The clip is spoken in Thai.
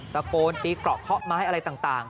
ตะโกนตีเกราะเคาะไม้อะไรต่าง